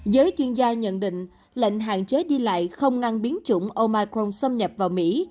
giới chuyên gia nhận định lệnh hạn chế đi lại không ngăn biến chủng omicron xâm nhập vào mỹ